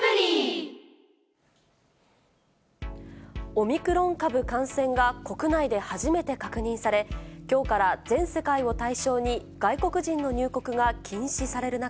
オミクロン株感染が国内で初めて確認され、きょうから全世界を対象に外国人の入国が禁止される中、